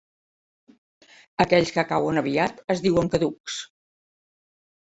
Aquells que cauen aviat es diuen caducs.